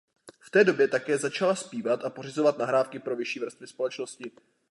V té době také začala zpívat a pořizovat nahrávky pro vyšší vrstvy společnosti.